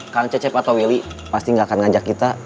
kang cecep atau willy pasti gak akan ngajak kita